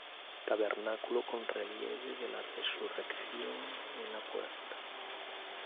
Tabernáculo con relieve de la Resurrección en la puerta.